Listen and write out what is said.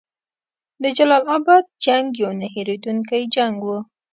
د جلال اباد جنګ یو نه هیریدونکی جنګ وو.